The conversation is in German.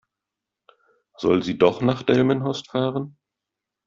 Soll sie doch nach Delmenhorst fahren?